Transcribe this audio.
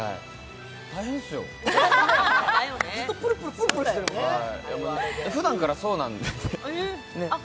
大変っすよ。ふだんからそうなんです。